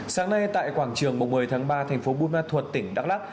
sáng nay tại quảng trường một mươi tháng ba thành phố buôn ma thuật tỉnh đắk lắc